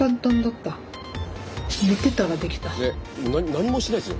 何もしてないっすよ